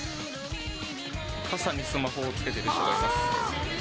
傘にスマホをつけてる人がいます。